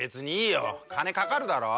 金かかるだろ？え！